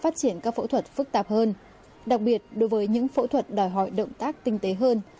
phát triển các phẫu thuật phức tạp hơn đặc biệt đối với những phẫu thuật đòi hỏi động tác tinh tế hơn